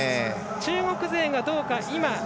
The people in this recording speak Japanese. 中国勢がどうか。